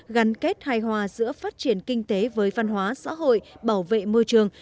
gắn kết hài hòa giữa phát triển kinh tế với văn hóa xã hội bảo vệ môi trường